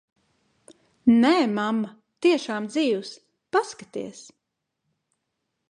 Nē, mamma, tiešām dzīvs. Paskaties.